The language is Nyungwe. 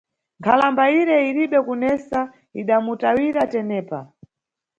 Nkhalamba ire iribe kunesa, idamutawira tenepa.